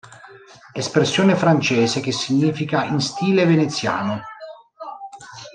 Espressione francese che significa "in stile veneziano".